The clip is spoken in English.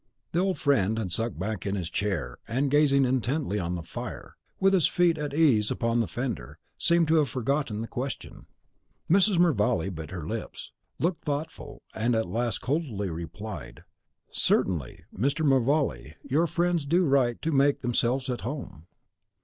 The old friend had sunk back on his chair, and, gazing intently on the fire, with his feet at ease upon the fender, seemed to have forgotten his question. Mrs. Mervale bit her lips, looked thoughtful, and at last coldly replied, "Certainly, Mr. Mervale; your friends do right to make themselves at home."